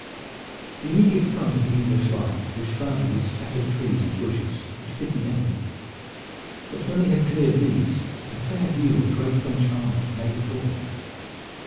The immediate front of the English line was shrouded with scattered trees and bushes which hid the enemy; but when they had cleared these a fair view of the great French army lay before them.